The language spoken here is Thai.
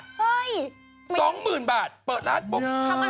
เฮ่ยสองหมื่นบาทเปิดร้านปุ๊ป